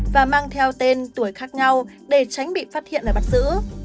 và mang theo tên tuổi khác nhau để tránh bị phát hiện và bắt giữ